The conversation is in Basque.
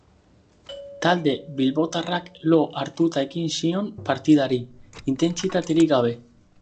Talde bilbotarrak lo hartuta ekin zion partidari, intentsitaterik gabe.